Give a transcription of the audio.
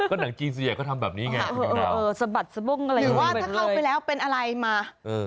ก็หนังจริงสุดยอดก็ทำแบบนี้ไงครับคุณสุดยอดหรือว่าถ้าเข้าไปแล้วเป็นอะไรมา